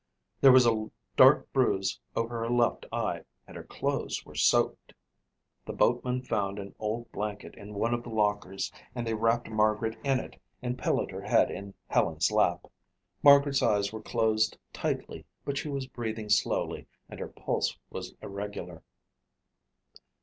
There was a dark bruise over her left eye and her clothes were soaked. The boatman found an old blanket in one of the lockers and they wrapped Margaret in it and pillowed her head in Helen's lap. Margaret's eyes were closed tightly but she was breathing slowly and her pulse was irregular.